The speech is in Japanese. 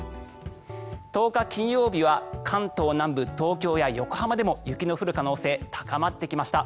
１０日金曜日は関東南部、東京や横浜でも雪の降る可能性高まってきました。